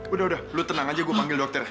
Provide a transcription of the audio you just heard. udah udah lu tenang aja gue panggil dokter